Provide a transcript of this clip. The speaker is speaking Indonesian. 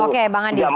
oke bang adi